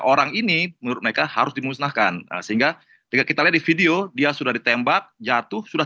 orang ini menurut mereka harus dimusnahkan sehingga jika kita lihat di video dia sudah ditembak jatuh sudah